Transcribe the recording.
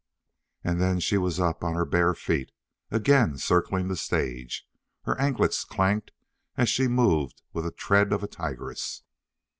And then she was up on her bare feet, again circling the stage. Her anklets clanked as she moved with the tread of a tigress.